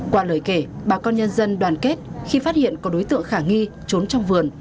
qua lời kể bà con nhân dân đoàn kết khi phát hiện có đối tượng khả nghi trốn trong vườn